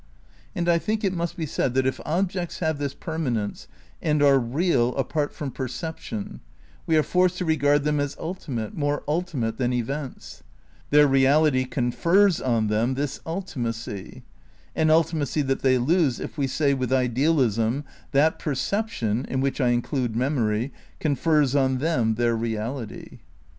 And I think it must be said that if objects have this permanence and are real apart from percep tion we are forced to regard them as ultimate, more ultimate than events. Their reality confers on them this ultimacy ; an ultimacy that they lose if we say with idealism that perception (in which I include memory) confers on them their reality.